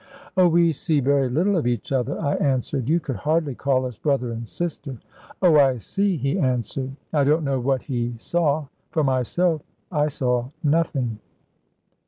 "Oh, we see very little of each other," I answered, "you could hardly call us brother and sister." "Oh, I see," he answered. I don't know what he saw. For myself, I saw nothing.